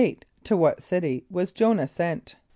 = To what city was J[=o]´nah sent?